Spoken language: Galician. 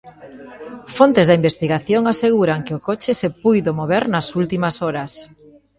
Fontes da investigación aseguran que o coche se puido mover nas últimas horas.